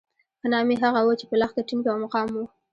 ښه نامي هغه وو چې په لښته ټینګ او مقاوم وو.